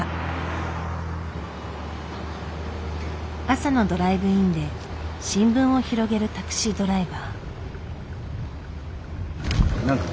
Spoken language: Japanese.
朝のドライブインで新聞を広げるタクシードライバー。